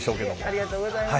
ありがとうございます。